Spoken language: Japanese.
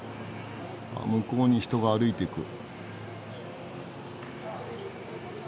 あっ向こうに人が歩いていく。